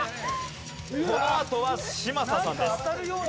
このあとは嶋佐さんです。